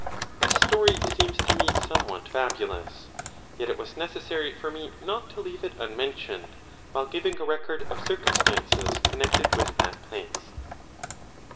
This story seems to me somewhat fabulous, yet it was 10 necessary for me not to leave it unmentioned, while giving a record of circumstances connected with that place.